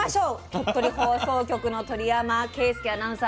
鳥取放送局の鳥山圭輔アナウンサーです。